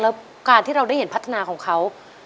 แล้วการที่เราได้เห็นพัฒนาของเขา